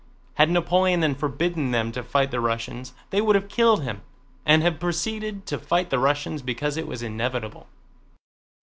Had Napoleon then forbidden them to fight the Russians, they would have killed him and have proceeded to fight the Russians because it was inevitable.